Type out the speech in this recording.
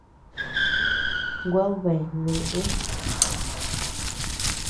Guad bea neʼë.